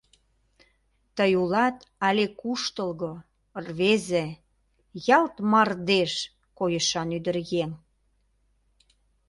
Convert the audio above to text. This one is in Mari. Тый улат але куштылго, рвезе — ялт мардеж койышан ӱдыръеҥ.